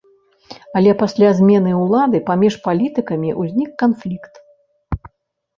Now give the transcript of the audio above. Але пасля змены ўлады паміж палітыкамі ўзнік канфлікт.